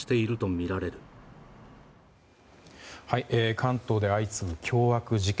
関東で相次ぐ凶悪事件。